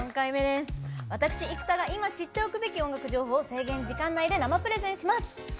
私、生田が今、知っておくべき音楽情報を制限時間内で生プレゼンします。